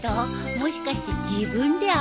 もしかして自分で歩い。